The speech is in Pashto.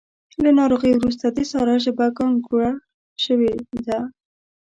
له ناروغۍ روسته د سارا ژبه ګانګوړه شوې ده.